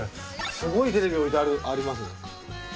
すごいテレビ置いてありますね。